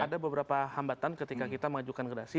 ada beberapa hambatan ketika kita mengajukan gerasi